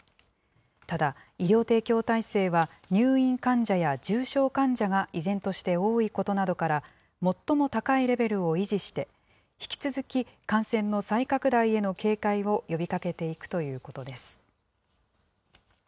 ただ、医療提供体制は、入院患者や重症患者が依然として多いことなどから、最も高いレベルを維持して、引き続き、感染の再拡大への警戒を呼びかけていくということです。